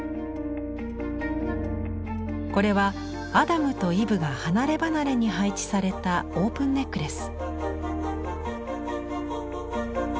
これはアダムとイヴが離れ離れに配置されたオープンネックレス。